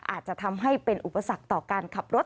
อาจจะทำให้เป็นอุปสรรคต่อการขับรถ